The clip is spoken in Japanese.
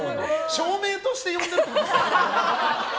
照明として呼んだってことですか？